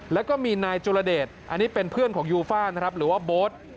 แล้วก็มีนายจุลเดชอันนี้เป็นเพื่อนของยูฟ่านนะครับหรือว่าโบ๊ท